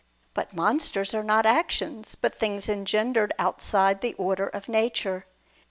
But monsters are not actions, but things engendered outside the order of nature.